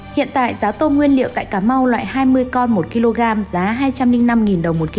hiện tại giá tôm nguyên liệu tại cà mau loại hai mươi con một kg giá hai trăm linh năm đồng